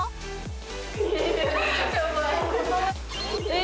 え